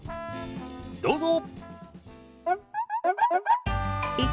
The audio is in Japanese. どうぞ！